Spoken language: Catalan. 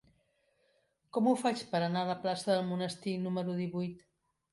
Com ho faig per anar a la plaça del Monestir número divuit?